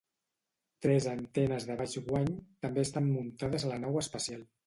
Tres antenes de baix guany també estan muntades a la nau espacial.